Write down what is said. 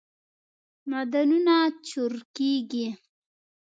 معدنونه چورکیږی